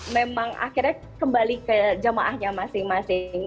memang akhirnya kembali ke jemaahnya masing masing